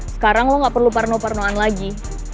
sekarang lo gak perlu parno parnoan lagi